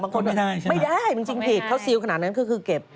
ไม่ได้ไม่ได้มันจริงผิดเขาซิลขนาดนั้นก็คือเก็บ